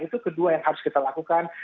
itu kedua yang harus kita lakukan